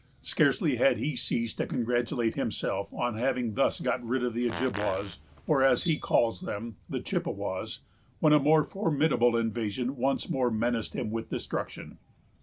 Scarcely had he ceased to congratulate himself on having thus got rid of the Ojibwas, or, as he calls them, the Chippewas, when a more formidable invasion once more menaced him with destruction.